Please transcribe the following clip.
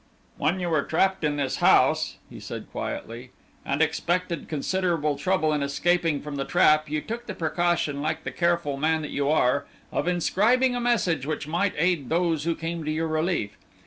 "When you were trapped in this house," he said, quietly, "and expected considerable trouble in escaping from the trap, you took the precaution, like the careful man that you are, of inscribing a message which might aid those who came to your relief.